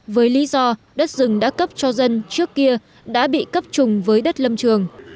với lý do đất rừng đã cấp cho dân trước kia đã bị cấp trùng với đất lâm trường